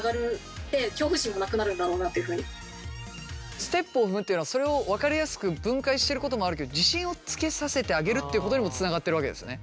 ステップを踏むっていうのはそれを分かりやすく分解してることもあるけど自信をつけさせてあげるっていうことにもつながってるわけですよね。